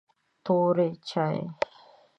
توري چای